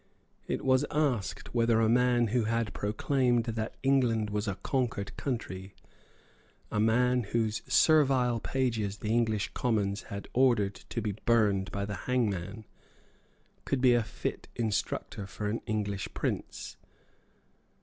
It was asked whether a man who had proclaimed that England was a conquered country, a man whose servile pages the English Commons had ordered to be burned by the hangman, could be a fit instructor for an English Prince.